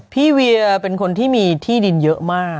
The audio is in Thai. เวียเป็นคนที่มีที่ดินเยอะมาก